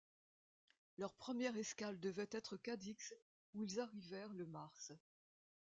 Leur première escale devait être Cadix où ils arrivèrent le mars.